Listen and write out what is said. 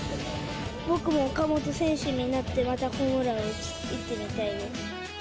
僕も岡本選手になって、またホームラン打ってみたいです。